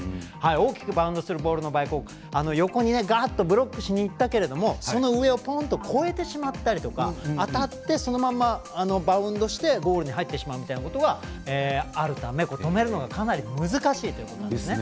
大きくバウンドするボールの場合横にブロックしにいったけれどもその上をポーンと越えてしまったりとか当たってそのままバウンドしてゴールに入ってしまうというようなことがあるため止めるのがかなり難しいということなんです。